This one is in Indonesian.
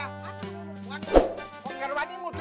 apa orang tua